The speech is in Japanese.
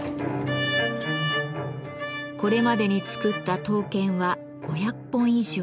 これまでに作った刀剣は５００本以上。